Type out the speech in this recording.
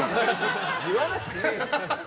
言わなくていいんだよ。